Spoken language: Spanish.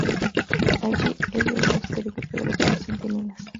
Allí, ella es emboscada y capturada por los Centinelas.